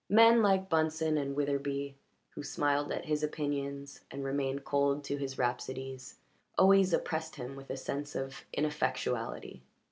Men like Bunsen and Witherbee, who smiled at his opinions and remained cold to his rhapsodies, always oppressed him with a sense of ineffectuality.